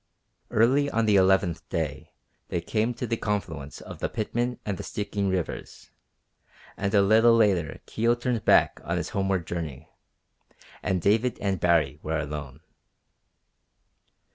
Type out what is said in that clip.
Early on the eleventh day they came to the confluence of the Pitman and the Stikine rivers, and a little later Kio turned back on his homeward journey, and David and Baree were alone.